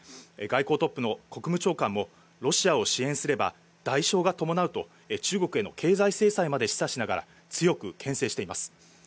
外交トップの国務長官もロシアを支援すれば代償が伴うと中国への経済制裁まで示唆しながら強く牽制しています。